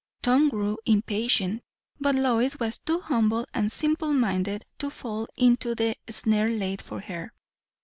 Tom grew impatient. But Lois was too humble and simple minded to fall into the snare laid for her.